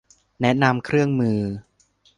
แนะนำเครื่องมือ